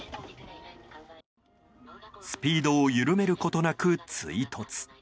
スピードを緩めることなく追突。